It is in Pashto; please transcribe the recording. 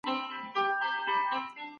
د یاسین سورت تلاوت کول ډېر ثواب لري.